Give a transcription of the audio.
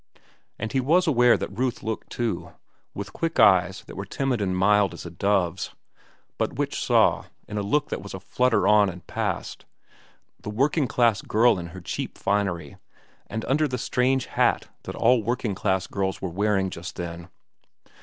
And he was aware that Ruth looked, too, with quick eyes that were timid and mild as a dove's, but which saw, in a look that was a flutter on and past, the working class girl in her cheap finery and under the strange hat that all working class girls were wearing just then.